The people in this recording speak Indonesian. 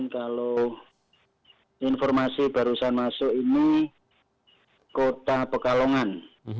kalau informasi barusan masuk ini kota pekalongan